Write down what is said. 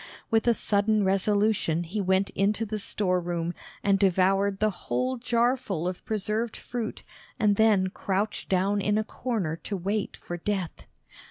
With a sudden resolution he went into the storeroom and devoured the whole jarful of preserved fruit, and then crouched down in a corner to wait for death.